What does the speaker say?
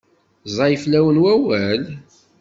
Ẓẓay fell-awen wawal?